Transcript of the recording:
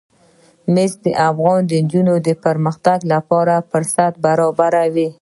مس د افغان نجونو د پرمختګ لپاره فرصتونه برابروي.